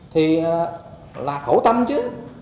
thì là khẩu tâm chứ